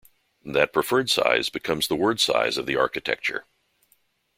That preferred size becomes the word size of the architecture.